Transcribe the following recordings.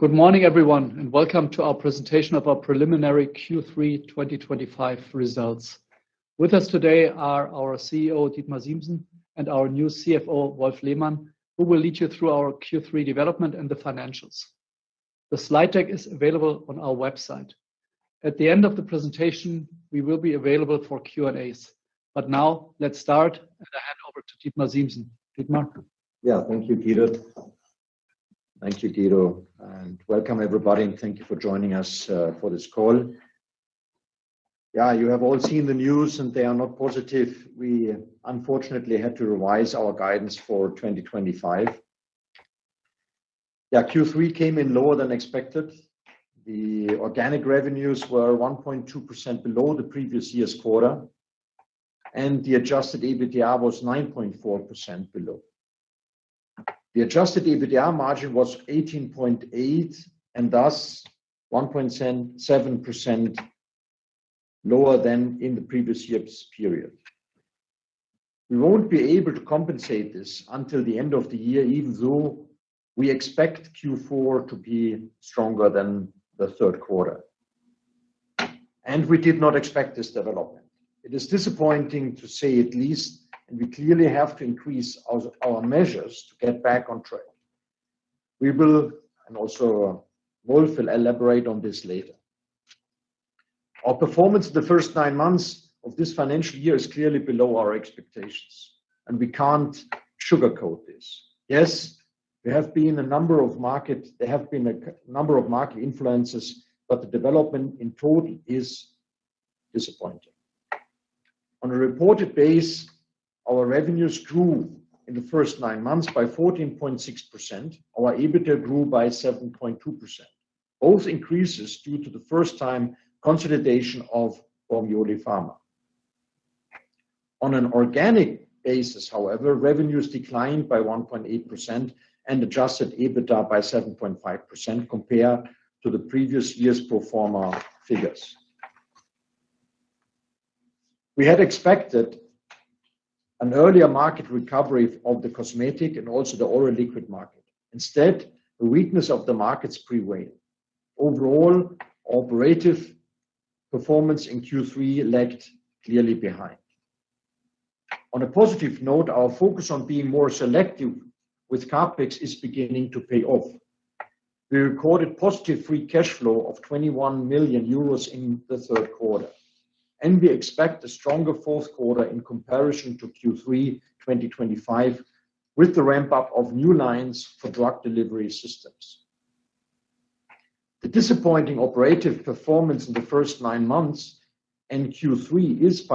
Good morning, everyone, and welcome to our presentation of our preliminary Q3 2025 results. With us today are our CEO, Dietmar Siemssen, and our new CF`O, Wolf Lehmann, who will lead you through our Q3 development and the financials. The slide deck is available on our website. At the end of the presentation, we will be available for Q&As. Now, let's start and I hand over to Dietmar Siemssen. Dietmar? Thank you, Guido, and welcome, everybody, and thank you for joining us for this call. You have all seen the news, and they are not positive. We, unfortunately, had to revise our guidance for 2025. Q3 came in lower than expected. The organic revenues were 1.2% below the previous year's quarter, and the adjusted EBITDA was 9.4% below. The adjusted EBITDA margin was 18.8%, and thus 1.7% lower than in the previous year's period. We won't be able to compensate this until the end of the year, even though we expect Q4 to be stronger than the third quarter. We did not expect this development. It is disappointing to say at least, and we clearly have to increase our measures to get back on track. We will, and also Wolf will elaborate on this later. Our performance in the first nine months of this financial year is clearly below our expectations, and we can't sugarcoat this. There have been a number of markets, there have been a number of market influences, but the development in total is disappointing. On a reported basis, our revenues grew in the first nine months by 14.6%. Our EBITDA grew by 7.2%. Both increases due to the first-time consolidation of Bormioli Pharma. On an organic basis, however, revenues declined by 1.8% and adjusted EBITDA by 7.5% compared to the previous year's pro forma figures. We had expected an earlier market recovery of the cosmetic and also the oral liquid market. Instead, the weakness of the markets prevailed. Overall, our operative performance in Q3 lagged clearly behind. On a positive note, our focus on being more selective with CapEx is beginning to pay off. We recorded positive free cash flow of 21 million euros in the third quarter, and we expect a stronger fourth quarter in comparison to Q3 2025 with the ramp-up of new lines for drug delivery systems. The disappointing operative performance in the first nine months and Q3 in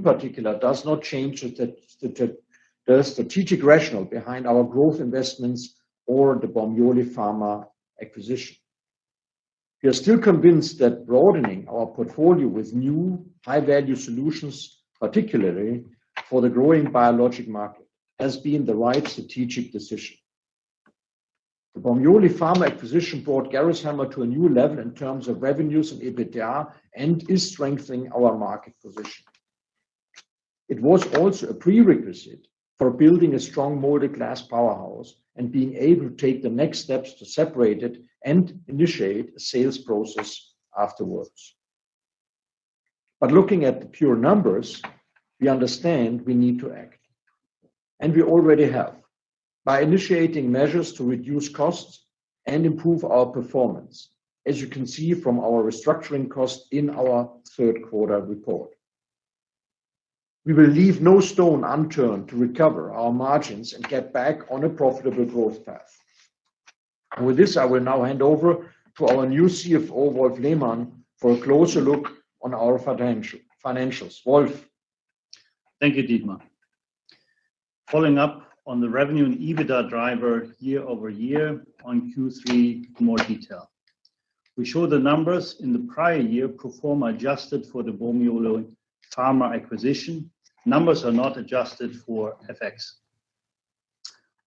particular does not change the strategic rationale behind our growth investments or the Bormioli Pharma acquisition. We are still convinced that broadening our portfolio with new high-value solutions, particularly for the growing biologics market, has been the right strategic decision. The Bormioli Pharma acquisition brought Gerresheimer to a new level in terms of revenues and EBITDA and is strengthening our market position. It was also a prerequisite for building a strong molded glass powerhouse and being able to take the next steps to separate it and initiate a sales process afterwards. Looking at the pure numbers, we understand we need to act, and we already have by initiating measures to reduce costs and improve our performance, as you can see from our restructuring costs in our third quarter report. We will leave no stone unturned to recover our margins and get back on a profitable growth path. With this, I will now hand over to our new CFO, Wolf Lehmann, for a closer look on our financials. Wolf? Thank you, Dietmar. Following up on the revenue and EBITDA driver year-over-year on Q3 for more detail. We show the numbers in the prior year pro forma adjusted for the Bormioli Pharma acquisition. Numbers are not adjusted for FX.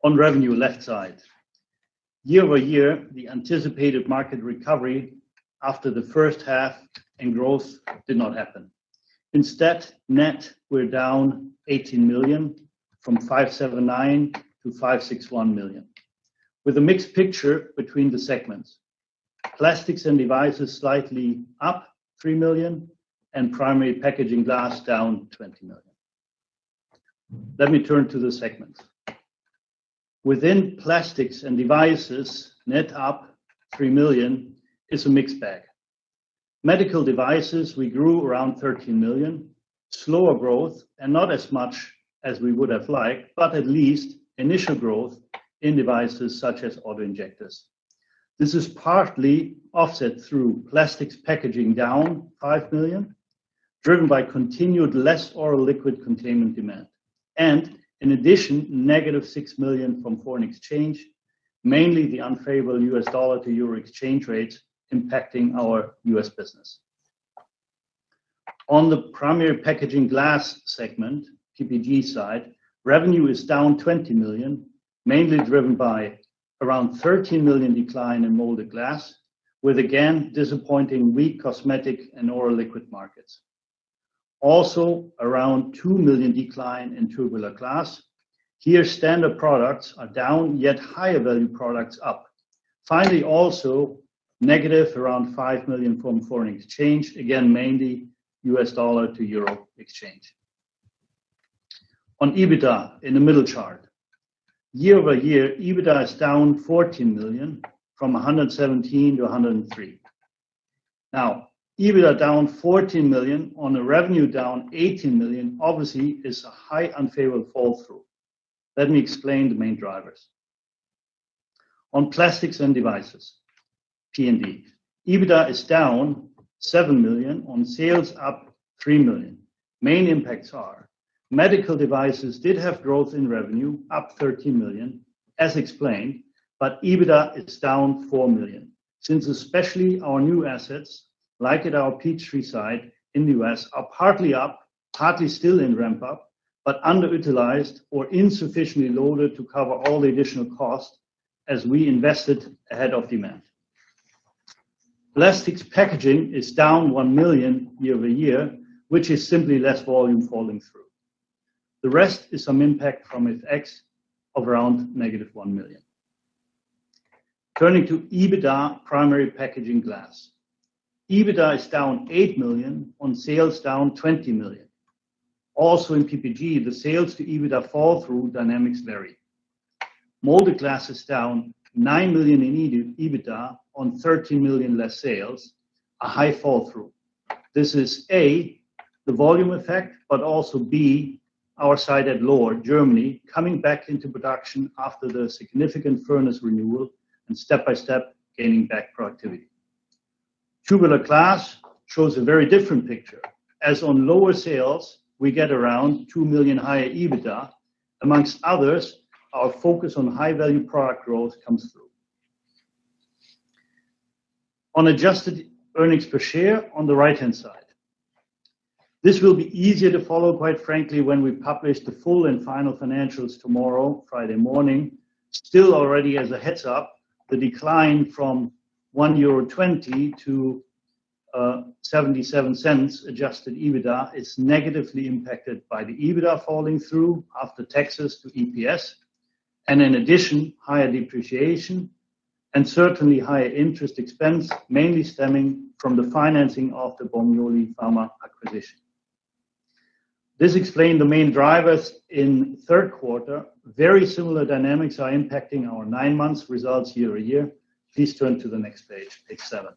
On revenue, left side, year-over-year, the anticipated market recovery after the first half in growth did not happen. Instead, net we're down $18 million from $579 million-$561 million, with a mixed picture between the segments. Plastics and Devices slightly up $3 million, and Primary Packaging Glass down $20 million. Let me turn to the segments. Within Plastics and Devices, net up $3 million is a mixed bag. Medical devices, we grew around $13 million, slower growth, and not as much as we would have liked, but at least initial growth in devices such as autoinjectors. This is partly offset through plastics packaging down $5 million, driven by continued less oral liquid containment demand, and in addition, -$6 million from foreign exchange, mainly the unfavorable US dollar to euro exchange rates impacting our US business. On the Primary Packaging Glass segment, PPG side, revenue is down $20 million, mainly driven by around $13 million decline in molded glass, with again disappointing weak cosmetic and oral liquid markets. Also, around $2 million decline in tubular glass. Here, standard products are down, yet higher value products up. Finally, also negative around $5 million from foreign exchange, again mainly US dollar to euro exchange. On EBITDA in the middle chart, year-over-year, EBITDA is down $14 million from $117 million-$103 million. Now, EBITDA down $14 million on a revenue down $18 million obviously is a high unfavorable fall through. Let me explain the main drivers. On Plastics and Devices, P&D, EBITDA is down $7 million, on sales up $3 million. Main impacts are medical devices did have growth in revenue up $13 million, as explained, but EBITDA is down $4 million, since especially our new assets, like at our Peachtree site in the U.S., are partly up, partly still in ramp-up, but underutilized or insufficiently loaded to cover all the additional costs as we invested ahead of demand. Plastics packaging is down $1 million year-over-year, which is simply less volume falling through. The rest is some impact from FX of around -$1 million. Turning to EBITDA Primary Packaging Glass, EBITDA is down $8 million, on sales down $20 million. Also in PPG, the sales to EBITDA fall through dynamics vary. Molded glass is down $9 million in EBITDA on $13 million less sales, a high fall through. This is A, the volume effect, but also B, our site at Lohr, Germany, coming back into production after the significant furnace renewal and step-by-step gaining back productivity. Tubular glass shows a very different picture, as on lower sales, we get around $2 million higher EBITDA. Amongst others, our focus on high-value product growth comes through. On adjusted earnings per share on the right-hand side, this will be easier to follow, quite frankly, when we publish the full and final financials tomorrow, Friday morning. Still, already as a heads up, the decline from 1.20 euro to 0.77 adjusted EBITDA is negatively impacted by the EBITDA falling through after taxes to EPS, and in addition, higher depreciation and certainly higher interest expense, mainly stemming from the financing of the Bormioli Pharma acquisition. This explains the main drivers in third quarter. Very similar dynamics are impacting our nine months results year-over-year. Please turn to the next page, page seven.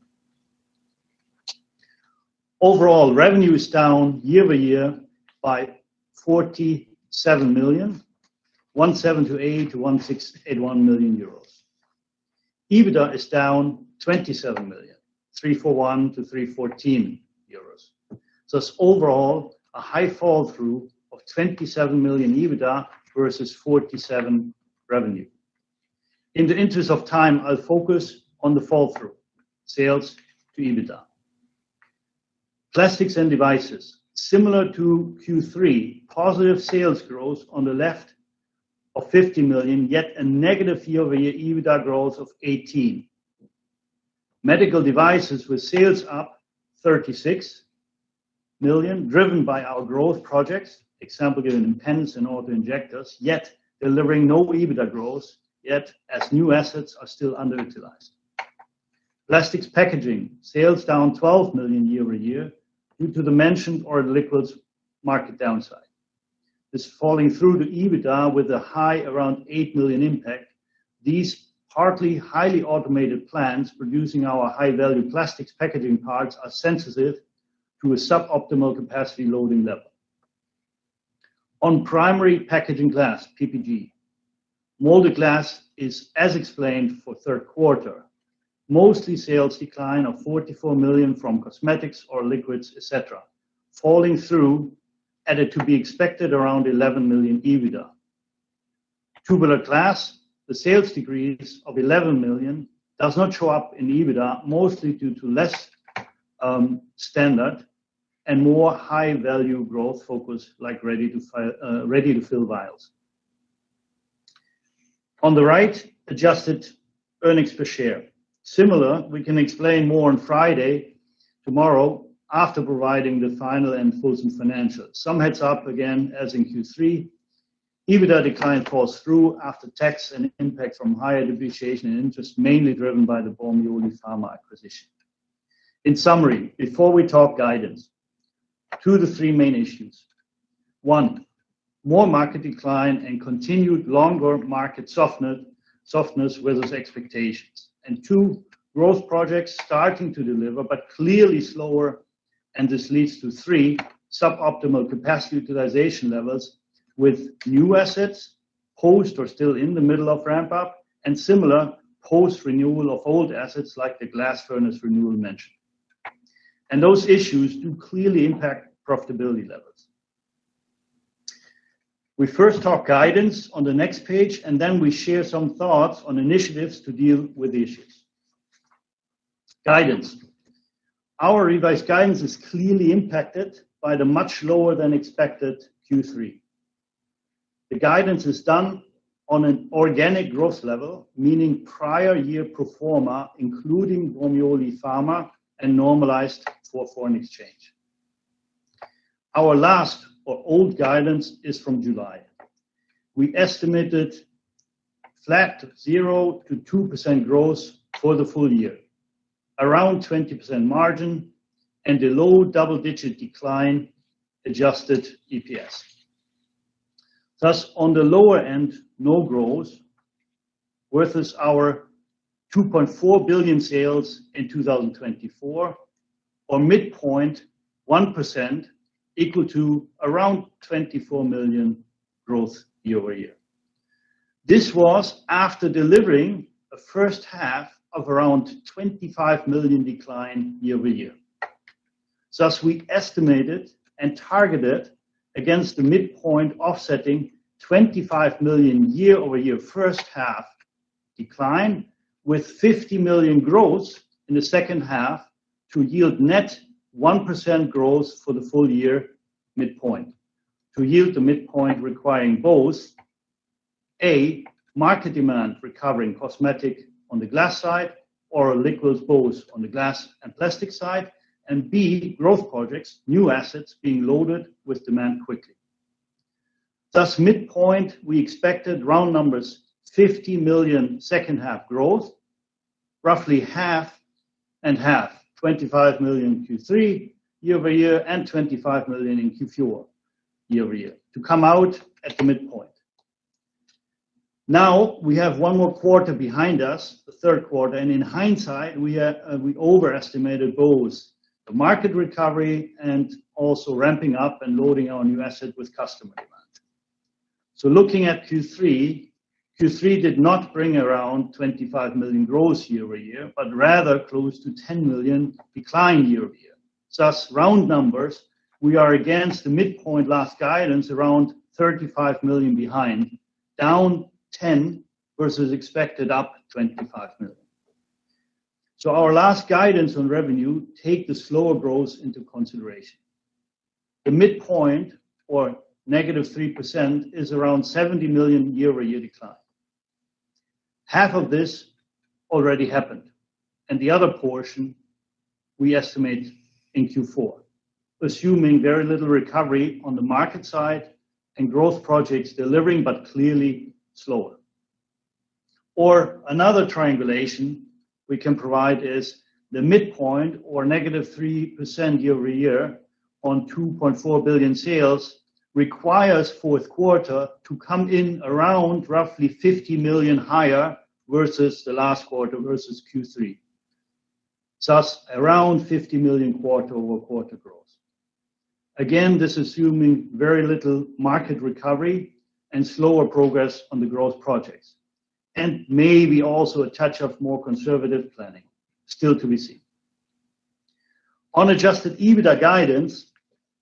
Overall, revenue is down year-over-year by $47 million, 178 million-181 million euros. EBITDA is down $27 million, 341 million-314 million euros. Thus, overall, a high fall through of $27 million EBITDA versus $47 million revenue. In the interest of time, I'll focus on the fall through sales to EBITDA. Plastics and devices, similar to Q3, positive sales growth on the left of $50 million, yet a negative year-over-year EBITDA growth of $18 million. Medical devices with sales up $36 million, driven by our growth projects, example given in pens and autoinjectors, yet delivering no EBITDA growth, yet as new assets are still underutilized. Plastics packaging, sales down $12 million year-over-year due to the mentioned oral liquids market downside. This falling through to EBITDA with a high around $8 million impact. These partly highly automated plants producing our high-value plastics packaging parts are sensitive to a suboptimal capacity loading level. On primary packaging glass, PPG, molded glass is as explained for third quarter. Mostly sales decline of $44 million from cosmetics, oral liquids, et cetera, falling through at a to be expected around $11 million EBITDA. Tubular glass, the sales decrease of $11 million does not show up in EBITDA, mostly due to less standard and more high-value growth focus like ready-to-fill vials. On the right, adjusted earnings per share. Similar, we can explain more on Friday, tomorrow, after providing the final and full financials. Some heads up again, as in Q3, EBITDA decline falls through after tax and impact from higher depreciation and interest, mainly driven by the Bormioli Pharma acquisition. In summary, before we talk guidance, two to three main issues. One, more market decline and continued longer market softness with those expectations. Two, growth projects starting to deliver, but clearly slower, and this leads to three, suboptimal capacity utilization levels with new assets post or still in the middle of ramp-up, and similar, post-renewal of old assets like the glass furnace renewal mentioned. Those issues do clearly impact profitability levels. We first talk guidance on the next page, and then we share some thoughts on initiatives to deal with the issues. Guidance. Our revised guidance is clearly impacted by the much lower than expected Q3. The guidance is done on an organic growth level, meaning prior year pro forma, including Bormioli Pharma and normalized for foreign exchange. Our last or old guidance is from July. We estimated flat zero to 2% growth for the full year, around 20% margin, and a low double-digit decline adjusted EPS. Thus, on the lower end, no growth, versus our $2.4 billion sales in 2024, or midpoint 1%, equal to around $24 million growth year-over-year. This was after delivering a first half of around $25 million decline year-over-year. Thus, we estimated and targeted against the midpoint offsetting $25 million year-over-year first half decline, with $50 million growth in the second half to yield net 1% growth for the full year midpoint. To yield the midpoint requiring both A, market demand recovering cosmetic on the glass side, oral liquids both on the glass and plastic side, and B, growth projects, new assets being loaded with demand quickly. Thus, midpoint, we expected round numbers $50 million second half growth, roughly half and half, $25 million Q3 year-over-year, and $25 million in Q4 year-over-year, to come out at the midpoint. Now, we have one more quarter behind us, the third quarter, and in hindsight, we overestimated both the market recovery and also ramping up and loading our new asset with customer demand. Looking at Q3, Q3 did not bring around $25 million growth year-over-year, but rather close to $10 million decline year-over-year. Thus, round numbers, we are against the midpoint last guidance around $35 million behind, down $10 million versus expected up $25 million. Our last guidance on revenue takes the slower growth into consideration. The midpoint, or -3%, is around $70 million year-over-year decline. Half of this already happened, and the other portion we estimate in Q4, assuming very little recovery on the market side and growth projects delivering, but clearly slower. Another triangulation we can provide is the midpoint, or -3% year-over-year on $2.4 billion sales, requires fourth quarter to come in around roughly $50 million higher versus the last quarter, versus Q3. Thus, around $50 million quarter-over-quarter growth. Again, this is assuming very little market recovery and slower progress on the growth projects, and maybe also a touch of more conservative planning, still to be seen. On adjusted EBITDA guidance,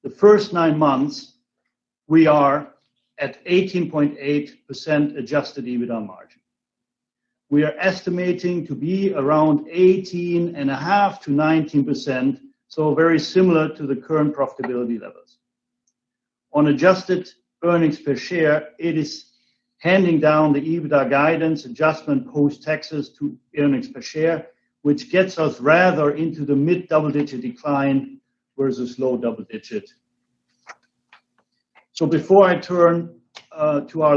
the first nine months, we are at 18.8% adjusted EBITDA margin. We are estimating to be around 18.5%-19%, so very similar to the current profitability levels. On adjusted earnings per share, it is handing down the EBITDA guidance adjustment post-taxes to earnings per share, which gets us rather into the mid-double-digit decline versus low double-digit. Before I turn to our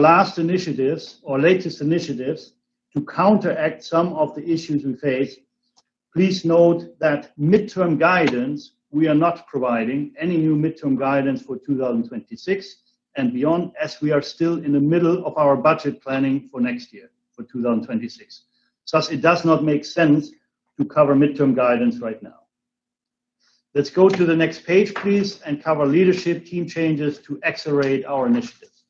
latest initiatives to counteract some of the issues we face, please note that midterm guidance, we are not providing any new midterm guidance for 2026 and beyond, as we are still in the middle of our budget planning for next year, for 2026. Thus, it does not make sense to cover midterm guidance right now. Let's go to the next page, please, and cover leadership team changes to accelerate our initiatives.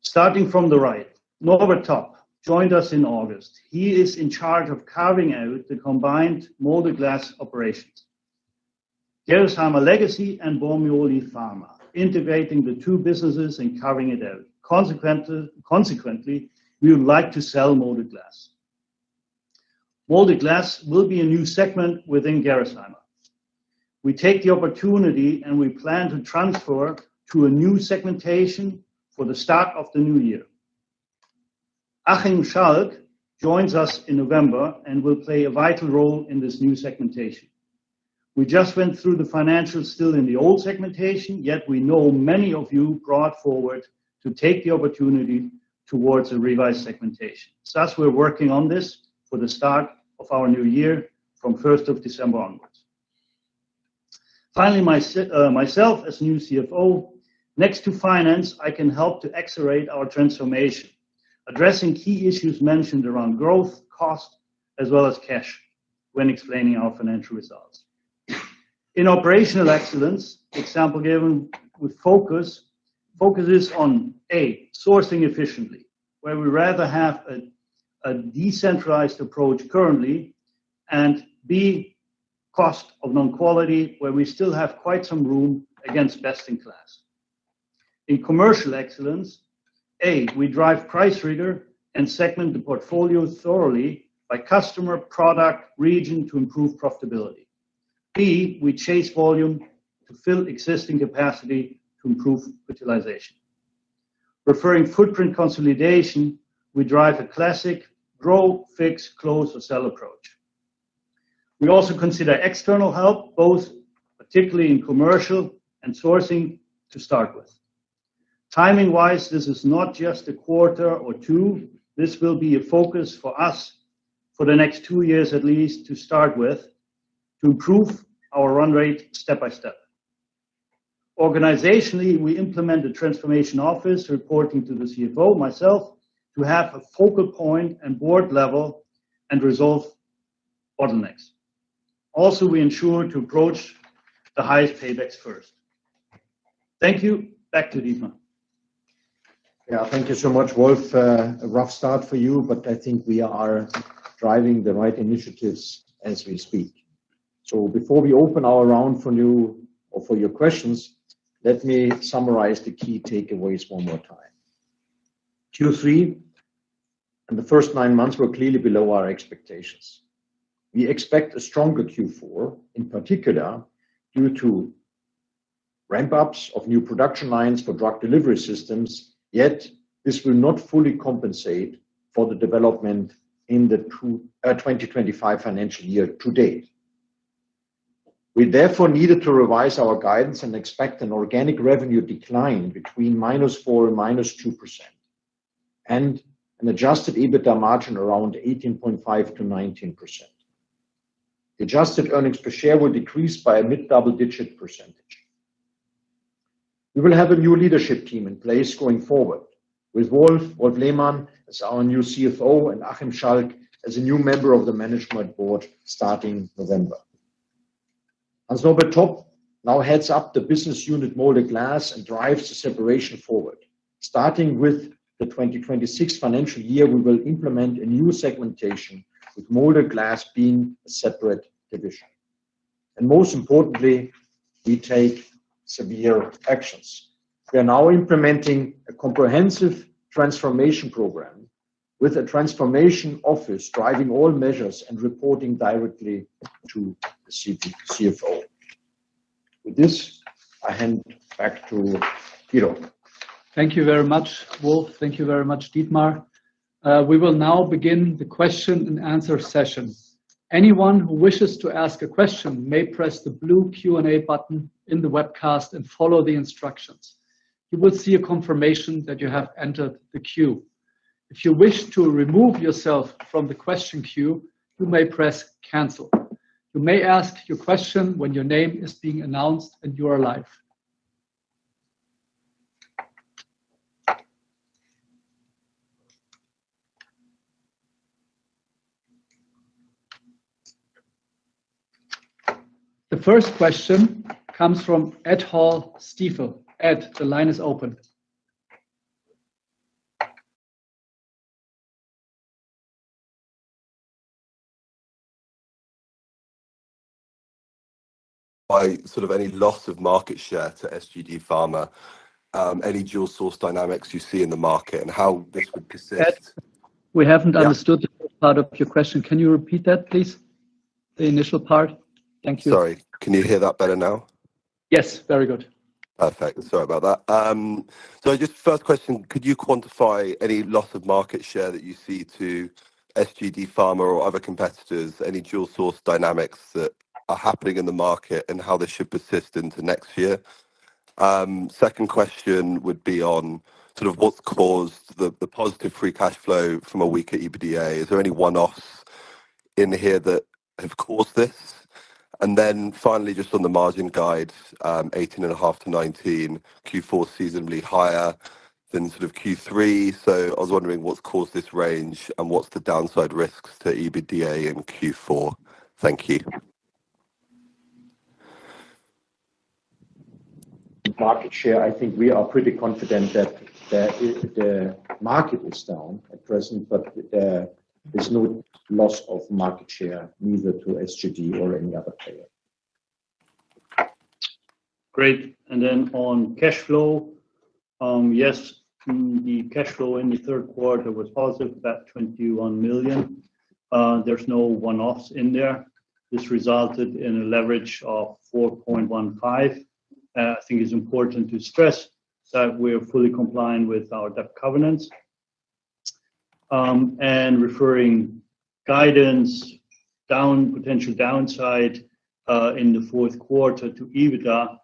Starting from the right, Norbert Topp joined us in August. He is in charge of carving out the combined Molded Glass operations, Gerresheimer Legacy and Bormioli Pharma, integrating the two businesses and carving it out. Consequently, we would like to sell Molded Glass. Molded Glass will be a new segment within Gerresheimer. We take the opportunity and we plan to transfer to a new segmentation for the start of the new year. Achim Scharret joins us in November and will play a vital role in this new segmentation. We just went through the financials still in the old segmentation, yet we know many of you brought forward to take the opportunity towards a revised segmentation. Thus, we're working on this for the start of our new year from 1st of December onwards. Finally, myself as new CFO, next to finance, I can help to accelerate our transformation, addressing key issues mentioned around growth, cost, as well as cash when explaining our financial results. In operational excellence, example given with focus, focuses on A, sourcing efficiently, where we rather have a decentralized approach currently, and B, cost of non-quality, where we still have quite some room against best in class. In commercial excellence, A, we drive price leader and segment the portfolio thoroughly by customer, product, region to improve profitability. B, we chase volume to fill existing capacity to improve utilization. Preferring footprint consolidation, we drive a classic draw, fix, close, or sell approach. We also consider external help, both particularly in commercial and sourcing to start with. Timing-wise, this is not just a quarter or two. This will be a focus for us for the next two years at least to start with, to improve our run rate step by step. Organizationally, we implement a transformation office reporting to the CFO, myself, to have a focal point and board level and resolve bottlenecks. Also, we ensure to approach the highest paybacks first. Thank you. Back to Dietmar. Yeah, thank you so much, Wolf. A rough start for you, but I think we are driving the right initiatives as we speak. Before we open our round for you or for your questions, let me summarize the key takeaways one more time. Q3 and the first nine months were clearly below our expectations. We expect a stronger Q4, in particular, due to ramp-ups of new production lines for drug delivery systems, yet this will not fully compensate for the development in the 2025 financial year to date. We therefore needed to revise our guidance and expect an organic revenue decline between -4% and -2% and an adjusted EBITDA margin around 18.5%-19%. The adjusted earnings per share will decrease by a mid-double-digit percent. We will have a new leadership team in place going forward with Wolf Lehmann as our new CFO and Achim Scharret as a new member of the Management Board starting November, as Norbert Topp now heads up the business unit Molded Glass and drives the separation forward. Starting with the 2026 financial year, we will implement a new segmentation with Molded Glass being a separate division. Most importantly, we take severe actions. We are now implementing a comprehensive transformation program with a Transformation Office driving all measures and reporting directly to the CFO. With this, I hand back to Guido. Thank you very much, Wolf. Thank you very much, Dietmar. We will now begin the question and answer session. Anyone who wishes to ask a question may press the blue Q&A button in the webcast and follow the instructions. You will see a confirmation that you have entered the queue. If you wish to remove yourself from the question queue, you may press cancel. You may ask your question when your name is being announced and you are live. The first question comes from Ed Hall. Ed, the line is open. By sort of any loss of market share to SGD Pharma, any dual source dynamics you see in the market, and how this would persist? Ed, we haven't understood part of your question. Can you repeat that, please? The initial part. Thank you. Sorry, can you hear that better now? Yes, very good. Perfect. Sorry about that. First question, could you quantify any loss of market share that you see to SGD Pharma or other competitors? Any dual source dynamics that are happening in the market and how this should persist into next year? Second question would be on what's caused the positive free cash flow from a weaker EBITDA. Is there any one-offs in here that have caused this? Finally, just on the margin guide, 18.5%-19%, Q4 seasonably higher than Q3. I was wondering what's caused this range and what's the downside risks to EBITDA in Q4. Thank you. Market share, I think we are pretty confident that the market is down at present, but there is no loss of market share neither to SGD or any other player. Great. On cash flow, yes, the cash flow in the third quarter was positive, about 21 million. There's no one-offs in there. This resulted in a leverage of 4.15. I think it's important to stress that we are fully compliant with our debt covenants. Referring guidance down, potential downside in the fourth quarter to EBITDA,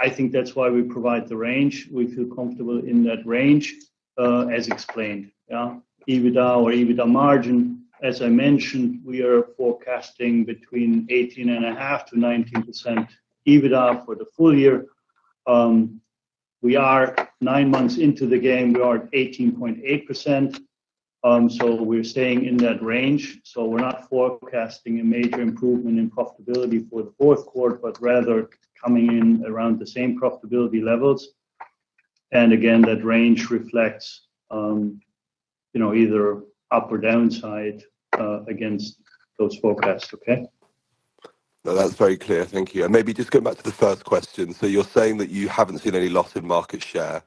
I think that's why we provide the range. We feel comfortable in that range, as explained. EBITDA or EBITDA margin, as I mentioned, we are forecasting between 18.5%-19% EBITDA for the full year. We are nine months into the game. We are at 18.8%. We're staying in that range. We're not forecasting a major improvement in profitability for the fourth quarter, but rather coming in around the same profitability levels. That range reflects either up or downside against those forecasts, okay? No, that's very clear. Thank you. Maybe just going back to the third question. You're saying that you haven't seen any loss in market share,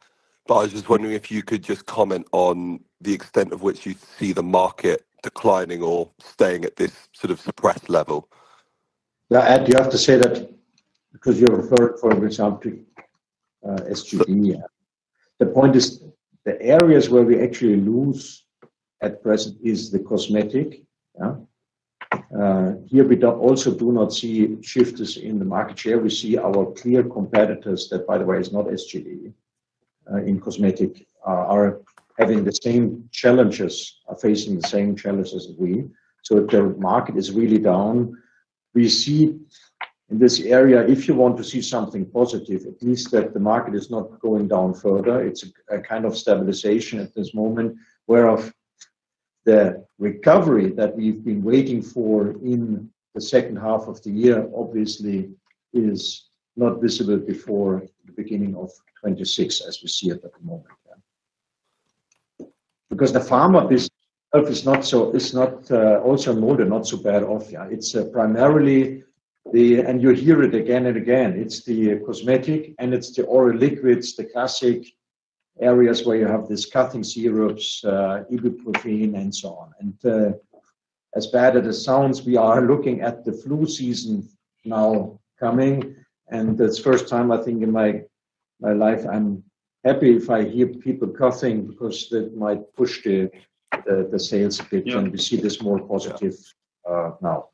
but I was just wondering if you could comment on the extent of which you see the market declining or staying at this sort of suppressed level. Ed, you have to say that because you referred, for example, to SGD. The point is the areas where we actually lose at present is the cosmetic. Here we also do not see shifts in the market share. We see our clear competitors that, by the way, are not SGD in cosmetic, are having the same challenges, are facing the same challenges as we. The market is really down. We see in this area, if you want to see something positive, at least that the market is not going down further. It's a kind of stabilization at this moment, whereas the recovery that we've been waiting for in the second half of the year, obviously, is not visible before the beginning of 2026, as we see it at the moment. Because the pharma business is not so, it's not also molded, not so bad off. It's primarily the, and you hear it again and again, it's the cosmetic and it's the oral liquids, the classic areas where you have this, cutting syrups, ibuprofen, and so on. As bad as it sounds, we are looking at the flu season now coming, and it's the first time I think in my life, I'm happy if I hear people cursing because that might push the sales a bit, and we see this more positive now.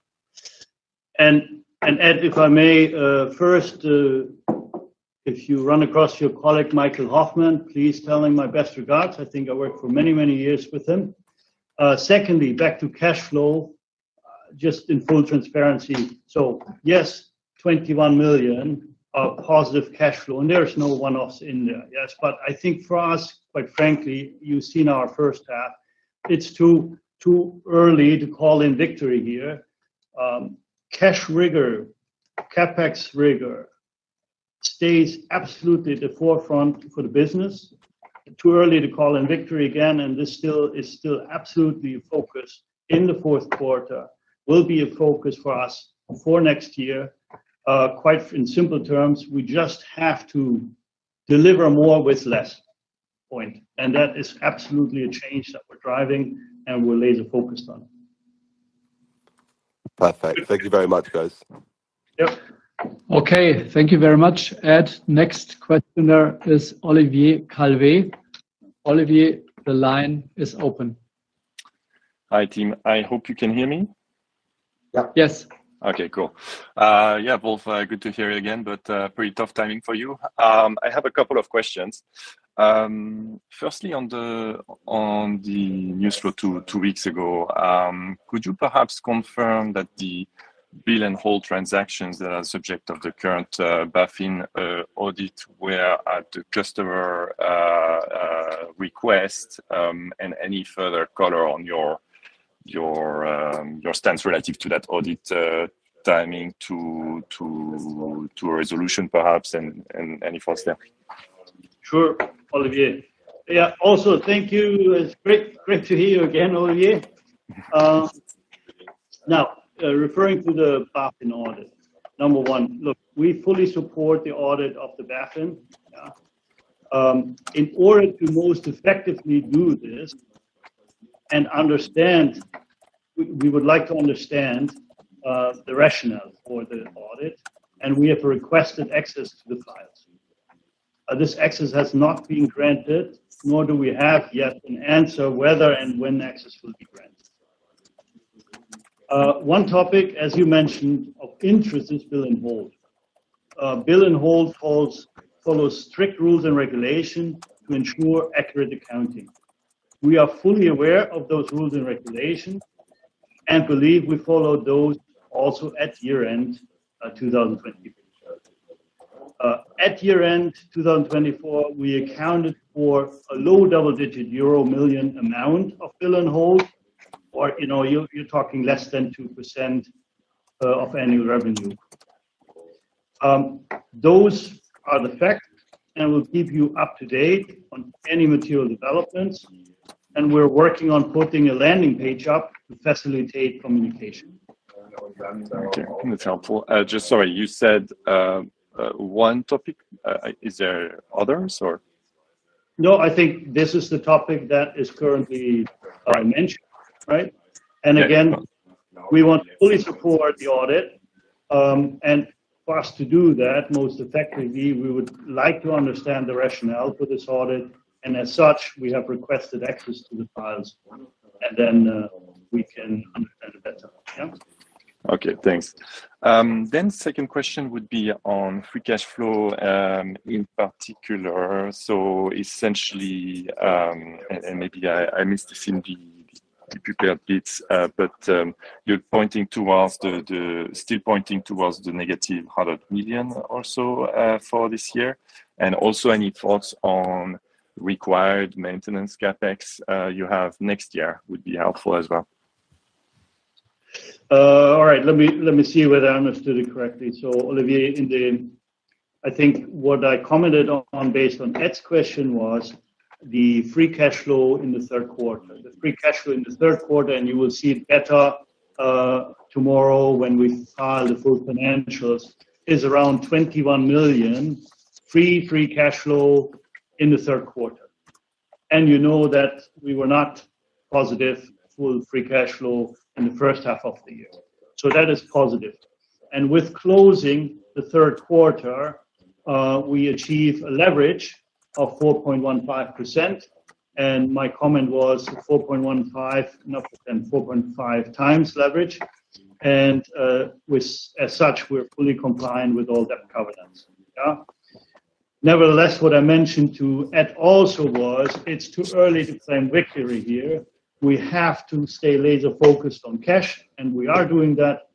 Ed, if I may, first, if you run across your colleague Michael Hoffman, please tell him my best regards. I think I worked for many, many years with him. Secondly, back to cash flow, just in full transparency. Yes, 21 million are positive cash flow, and there's no one-offs in there. Yes, but I think for us, quite frankly, you've seen our first half. It's too early to call in victory here. Cash rigor, CapEx rigor stays absolutely at the forefront for the business. Too early to call in victory again, and this still is still absolutely a focus in the fourth quarter, will be a focus for us for next year. Quite in simple terms, we just have to deliver more with less point, and that is absolutely a change that we're driving and we're laser-focused on. Perfect. Thank you very much, both. Okay, thank you very much, Ed. Next questioner is Olivier Calvet. Olivier, the line is open. Hi, team. I hope you can hear me. Yes. Okay, cool. Yeah, both good to hear you again, but pretty tough timing for you. I have a couple of questions. Firstly, on the news flow two weeks ago, could you perhaps confirm that the bill and hold transactions that are subject to the current BaFin audit were at the customer request, and any further color on your stance relative to that audit timing to a resolution, perhaps, and any false narrative? Sure, Olivier. Yeah, also, thank you. It's great to hear you again, Olivier. Now, referring to the BaFin audit, number one, look, we fully support the audit of the BaFin. In order to most effectively do this and understand, we would like to understand the rationale for the audit, and we have requested access to the files. This access has not been granted, nor do we have yet an answer whether and when the access will be granted. One topic, as you mentioned, of interest is bill and hold. Bill and hold follows strict rules and regulations to ensure accurate accounting. We are fully aware of those rules and regulations and believe we follow those also at year-end 2024. At year-end 2024, we accounted for a low double-digit euro million amount of bill and hold, or you're talking less than 2% of annual revenue. Those are the facts, and we'll keep you up to date on any material developments, and we're working on putting a landing page up to facilitate communication. That's helpful. Sorry, you said one topic. Is there others, or? No, I think this is the topic that is currently I mentioned, right? We want to fully support the audit, and for us to do that most effectively, we would like to understand the rationale for this audit. As such, we have requested access to the files, and then we can understand it better. Yeah. Okay, thanks. The second question would be on free cash flow in particular. Essentially, and maybe I missed the feel the prepared bits, but you're pointing towards the still pointing towards the -$100 million or so for this year, and also any thoughts on the required maintenance CapEx you have next year would be helpful as well. All right, let me see whether I understood it correctly. Olivier, I think what I commented on based on Ed's question was the free cash flow in the third quarter. The free cash flow in the third quarter, and you will see it better tomorrow when we file the full financials, is around 21 million free cash flow in the third quarter. You know that we were not positive full free cash flow in the first half of the year. That is positive. With closing the third quarter, we achieve a leverage of 4.15x, and my comment was 4.15, not 4.5x leverage. As such, we're fully compliant with all debt covenants. Nevertheless, what I mentioned to Ed also was it's too early to claim victory here. We have to stay laser-focused on cash, and we are doing that,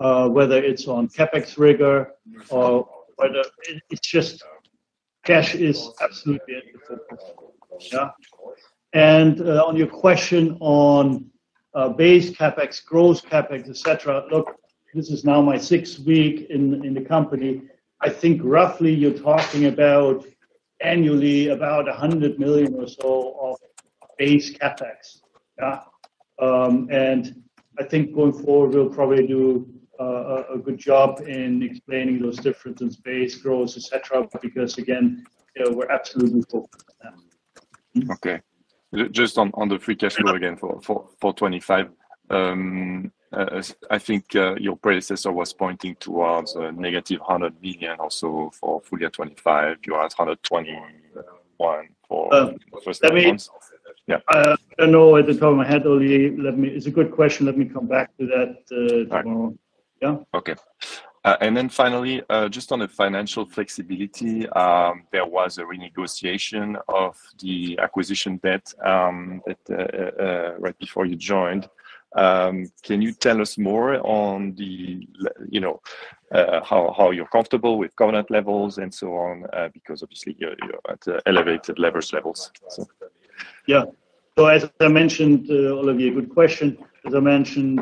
whether it's on CapEx rigor or whether it's just cash is absolutely at the forefront. On your question on base CapEx, gross CapEx, et cetera, this is now my sixth week in the company. I think roughly you're talking about annually about $100 million or so of base CapEx. I think point four will probably do a good job in explaining those differences in base, growth, et cetera, because again, we're absolutely focused. Okay. Just on the free cash flow again for 2025, I think your predecessor was pointing towards a -$100 million also for full year 2025. You were at $121 million for the First Quarter. I don't know at the top of my head, Olivier. It's a good question. Let me come back to that tomorrow. Okay. Finally, just on the financial flexibility, there was a renegotiation of the acquisition debt right before you joined. Can you tell us more on how you're comfortable with covenant levels and so on, because obviously you're at elevated leverage levels? Yeah. As I mentioned, Olivier, good question. As I mentioned,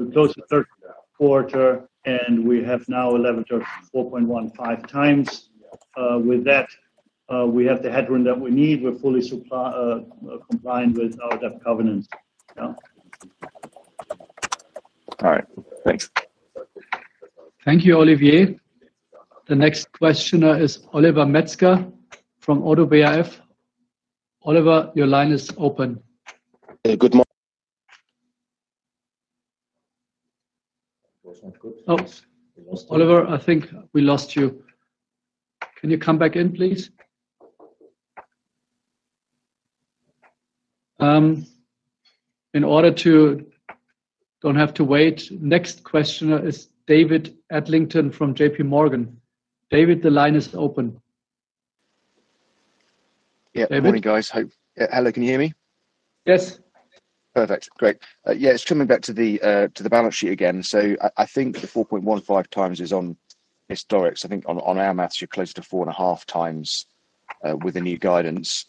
we closed the third quarter, and we have now a leverage of 4.15x. With that, we have the headroom that we need. We're fully compliant with our debt covenants. All right, thank you. Thank you, Olivier. The next questioner is Oliver Metzger from ODDO BHF. Oliver, your line is open. Good morning. Oliver, I think we lost you. Can you come back in, please? In order to not have to wait, next questioner is David Adlington from JPMorgan. David, the line is open. Good morning, guys. Hello, can you hear me? Yes. Perfect. Great. Just coming back to the balance sheet again. I think the 4.15x is on historics. I think on our maths, you're closer to 4.5x with the new guidance.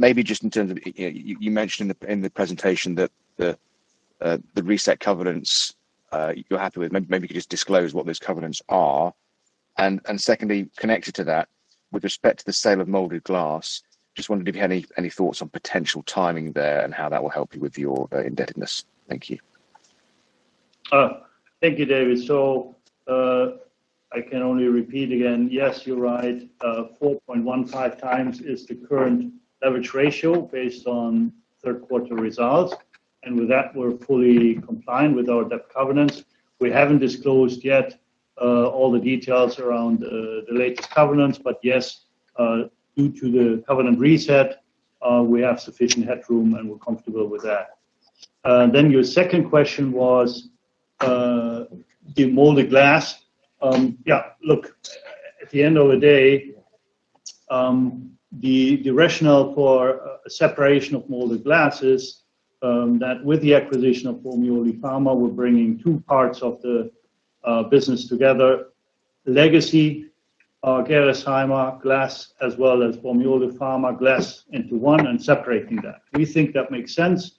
In terms of you mentioned in the presentation that the reset covenants you're happy with, maybe you could just disclose what those covenants are. Secondly, connected to that, with respect to the sale of Molded Glass, just wondered if you had any thoughts on potential timing there and how that will help you with your indebtedness. Thank you. Thank you, David. I can only repeat again, yes, you're right. 4.15x is the current average ratio based on third quarter results. With that, we're fully compliant with our debt covenants. We haven't disclosed yet all the details around the latest covenants, but yes, due to the covenant reset, we have sufficient headroom and we're comfortable with that. Your second question was the molded glass. At the end of the day, the rationale for a separation of molded glass is that with the acquisition of Bormioli Pharma, we're bringing two parts of the business together: legacy Gerresheimer Glass as well as Bormioli Pharma Glass into one and separating that. We think that makes sense.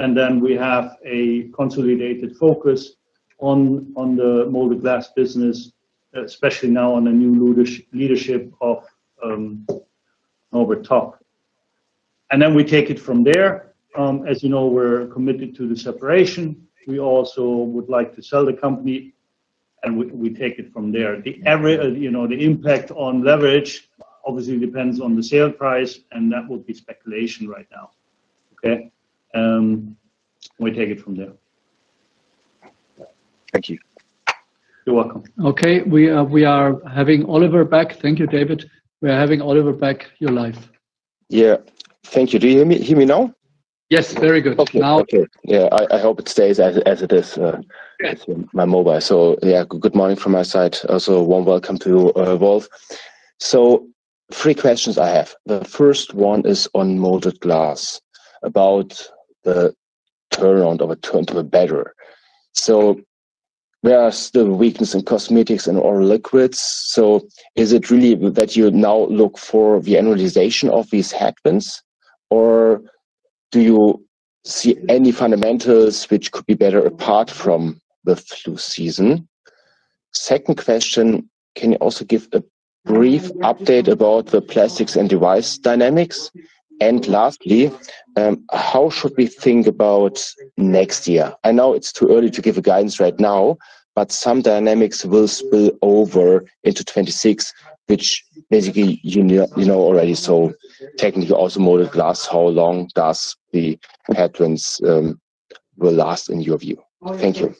We have a consolidated focus on the molded glass business, especially now under the new leadership of Norbert Topp. We take it from there. As you know, we're committed to the separation. We also would like to sell the company, and we take it from there. The impact on leverage obviously depends on the sale price, and that would be speculation right now. We take it from there. Thank you. You're welcome. Thank you, David. We are having Olivier back, you're live. Thank you. Do you hear me now? Yes, very good. Okay, yeah, I hope it stays as it is. It's my mobile. Good morning from my side. Also, warm welcome to you, Wolf. Three questions I have. The first one is on molded glass, about the turnaround of EBITDA. Where are still the weaknesses in cosmetics and oral liquids? Is it really that you now look for the annualization of these headwinds, or do you see any fundamentals which could be better apart from the flu season? Second question, can you also give a brief update about the plastics and device dynamics? Lastly, how should we think about next year? I know it's too early to give a guidance right now, but some dynamics will spill over into 2026, which basically you know already. Taking the molded glass, how long do the headwinds last in your view? Thank you.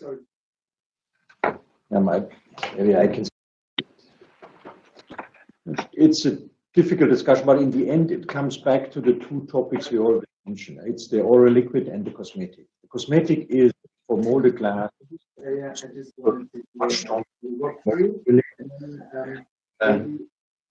Yeah, it's a difficult discussion, but in the end, it comes back to the two topics we already mentioned. It's the oral liquid and the cosmetic. The cosmetic is for molded glass. That is the one that we work for you.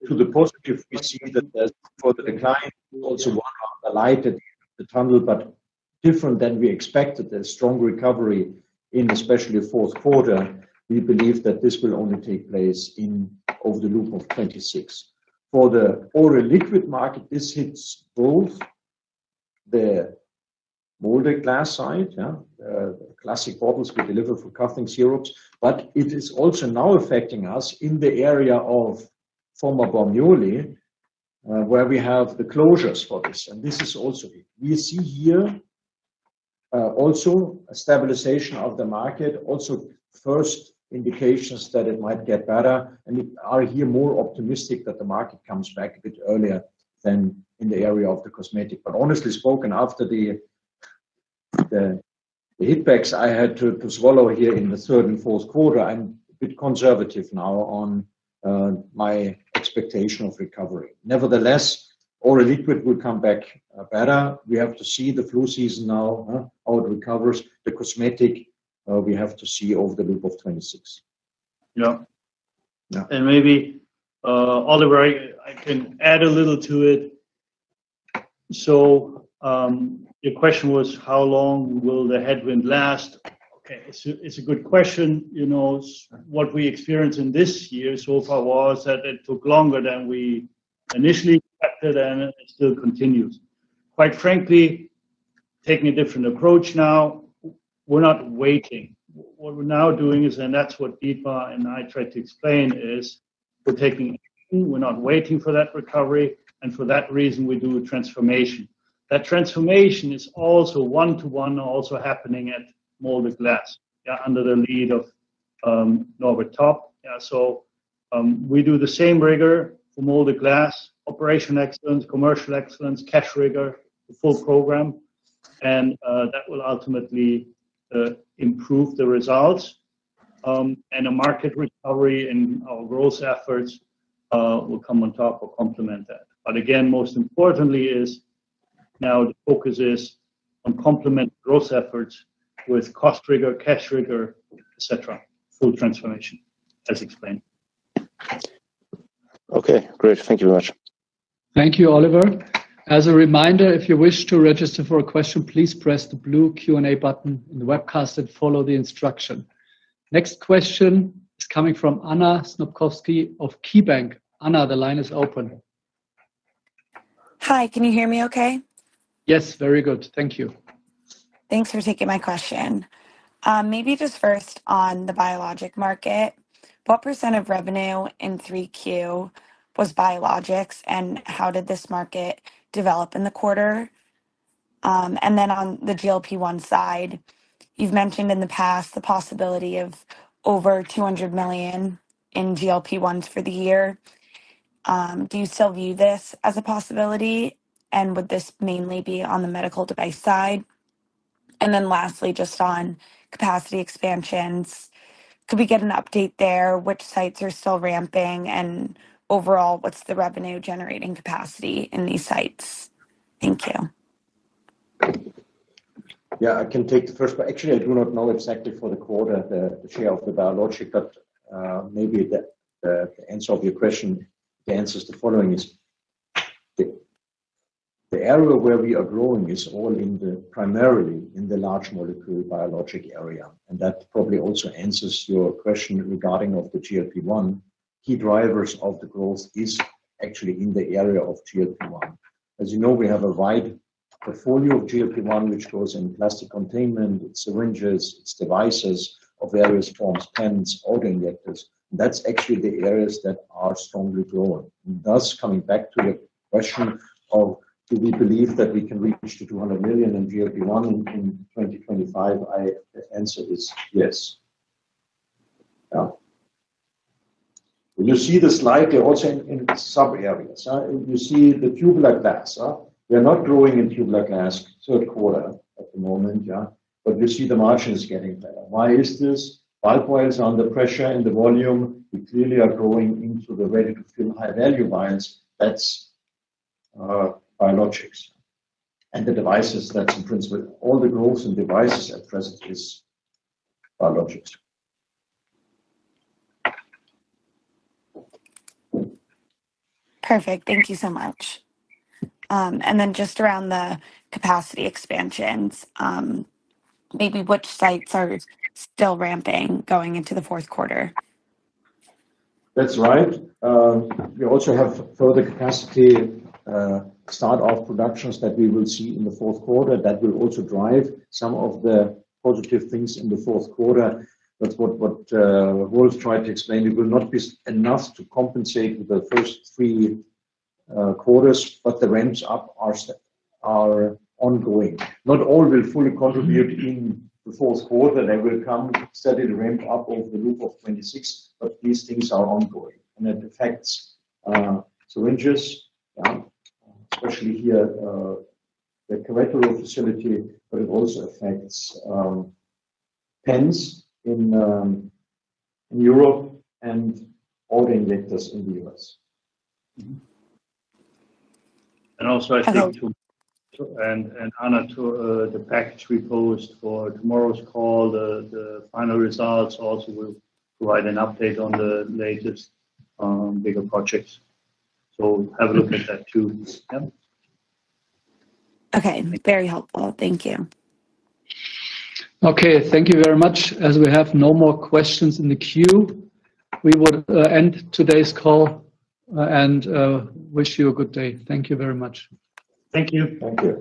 To the positive, we see that there's further decline. We also want to highlight that the tunnel, but different than we expected, there's strong recovery in especially the fourth quarter. We believe that this will only take place in over the loop of 2026. For the oral liquid market, this hits both the molded glass side, the plastic bottles we deliver for coughing syrups, but it is also now affecting us in the area of former Bormioli Pharma, where we have the closures for this. We see here also a stabilization of the market, also first indications that it might get better, and we are here more optimistic that the market comes back a bit earlier than in the area of the cosmetic. Honestly spoken, after the hitbacks I had to swallow here in the third and fourth quarter, I'm a bit conservative now on my expectation of recovery. Nevertheless, oral liquid will come back better. We have to see the flu season now, how it recovers. The cosmetic we have to see over the loop of 2026. Yeah. Maybe, Olivier, I can add a little to it. Your question was how long will the headwind last? Okay, it's a good question. You know what we experienced in this year so far was that it took longer than we initially expected and it still continued. Quite frankly, taking a different approach now, we're not waiting. What we're now doing is, and that's what Dietmar and I tried to explain, we're not waiting for that recovery, and for that reason, we do a transformation. That transformation is also one-to-one also happening at Molded Glass, under the lead of Norbert Topp. We do the same rigor for Molded Glass, operational excellence, commercial excellence, cash rigor, the full program, and that will ultimately improve the results. A market recovery in our growth efforts will come on top or complement that. Most importantly is now the focus is on complementing growth efforts with cost rigor, cash rigor, et cetera, full transformation, as explained. Okay, great. Thank you very much. Thank you, Olivier. As a reminder, if you wish to register for a question, please press the blue Q&A button in the webcast and follow the instruction. Next question is coming from Anna Snopkowski of KeyBank. Anna, the line is open. Hi, can you hear me okay? Yes, very good. Thank you. Thanks for taking my question. Maybe just first on the biologics market, what percent of revenue in Q3 was biologics, and how did this market develop in the quarter? On the GLP-1 side, you've mentioned in the past the possibility of over $200 million in GLP-1s for the year. Do you still view this as a possibility? Would this mainly be on the medical device side? Lastly, just on capacity expansions, could we get an update there? Which sites are still ramping, and overall, what's the revenue-generating capacity in these sites? Thank you. Yeah, I can take the first part. Actually, I do not know exactly for the quarter the share of the biologic, but maybe the answer of your question answers the following: the area where we are growing is all in the primarily in the large molecule biologic area. That probably also answers your question regarding the GLP-1. Key drivers of the growth are actually in the area of GLP-1. As you know, we have a wide portfolio of GLP-1, which goes in plastic containment, syringes, it's devices of various forms, pens, autoinjectors. That's actually the areas that are strongly growing. Thus, coming back to your question of do we believe that we can reach the $200 million in GLP-1 in 2025, my answer is yes. Yeah. When you see the slide, they're also in sub-areas. You see the tubular glass. We are not growing in tubular glass third quarter at the moment, yeah, but we see the margin is getting better. Why is this? Bulk vials are under pressure in the volume. We clearly are growing into the value to fill high-value vials. That's biologics. The devices, that's in principle, all the growth in devices at present is biologics. Perfect. Thank you so much. Just around the capacity expansions, maybe which sites are still ramping going into the fourth quarter? That's right. We also have further capacity start-off productions that we will see in the fourth quarter that will also drive some of the positive things in the fourth quarter. That's what Wolf tried to explain. It will not be enough to compensate with the first three quarters, but the ramps up are ongoing. Not all will fully contribute in the fourth quarter. They will come steadily ramp up over the loop of 2026, but these things are ongoing. That affects syringes, yeah, especially here, the caterer facility, but it also affects pens in Europe and autoinjectors in the U.S. I think too, and Anna, too, the package we post for tomorrow's call, the final results also will provide an update on the latest bigger projects. Have a look at that too. Okay, very helpful. Thank you. Okay, thank you very much. As we have no more questions in the queue, we would end today's call and wish you a good day. Thank you very much. Thank you. Okay.